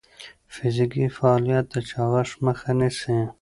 فزیکي فعالیت د چاغښت مخه نیسي.